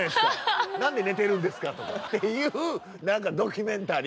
何で寝てるんですか」とかっていう何かドキュメンタリー。